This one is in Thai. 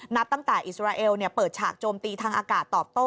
นับตั้งแต่อิสราเอลเปิดฉากโจมตีทางอากาศตอบโต้